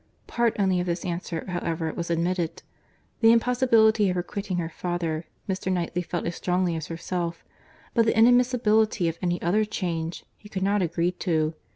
Part only of this answer, however, was admitted. The impossibility of her quitting her father, Mr. Knightley felt as strongly as herself; but the inadmissibility of any other change, he could not agree to.